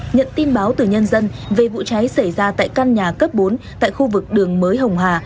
nhận tin báo từ nhân dân về vụ cháy xảy ra tại căn nhà cấp bốn tại khu vực đường mới hồng hà